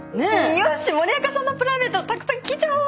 よし森若さんのプライベートをたくさん聞いちゃお！